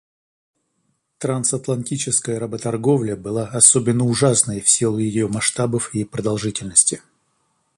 Трансатлантическая работорговля была особенно ужасной в силу ее масштабов и продолжительности.